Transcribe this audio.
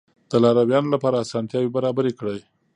د لارويانو لپاره اسانتیاوې برابرې کړئ.